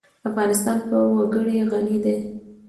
افغانستان په وګړي غني دی.